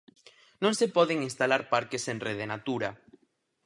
Non se poden instalar parques en Rede Natura.